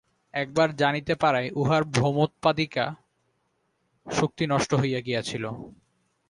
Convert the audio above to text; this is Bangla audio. একবার জানিতে পারায় উহার ভ্রমোৎপাদিকা শক্তি নষ্ট হইয়া গিয়াছিল।